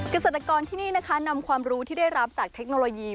เกษตรกรที่นี่นะคะนำความรู้ที่ได้รับจากเทคโนโลยี